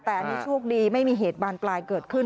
แต่อันนี้โชคดีไม่มีเหตุบานปลายเกิดขึ้น